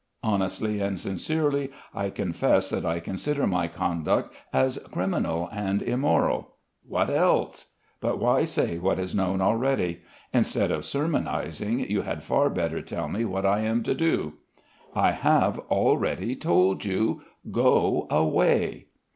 Honestly and sincerely I confess that I consider my conduct as criminal and immoral. What else? But why say what is known already? Instead of sermonizing you had far better tell me what I am to do." "I have already told you. Go away."